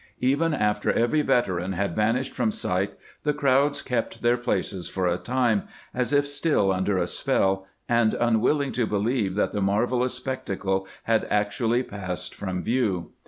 Even after every veteran had vanished from sight the crowds kept their places for a time, as if still under a spell and unwilling to believe that the marvelous spec tacle had actually passed from view.